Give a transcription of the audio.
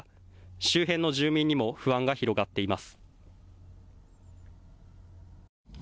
周辺の住民にも不安が広がっています。